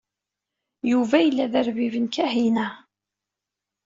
Yuba yella d arbib n Kahina.